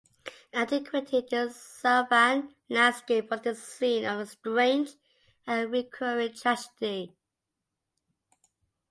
In antiquity this sylvan landscape was the scene of a strange and recurring tragedy.